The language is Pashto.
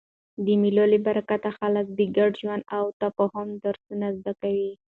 د مېلو له برکته خلک د ګډ ژوند او تفاهم درسونه زده کوي.